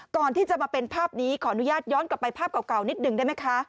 ก่อนที่จะมาเป็นภาพนี้ขออนุญาตย้อนกลับไปภาพเก่านิดหนึ่งได้ไหมคะ